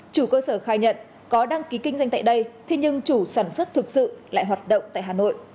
chủ cơ sở khai nhận có đăng ký kinh doanh tại đây thế nhưng chủ sản xuất thực sự lại hoạt động tại hà nội